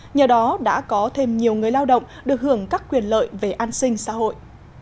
nhờ đó đã có thêm nhiều người lao động được hưởng các quyền lợi về an sinh xã hội